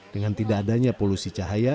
dengan tidak adanya polusi cahaya